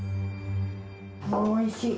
おいしい。